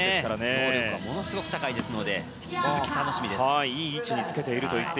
能力がものすごく高いですので引き続き楽しみです。